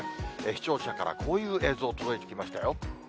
視聴者からこういう映像、届いてきましたよ。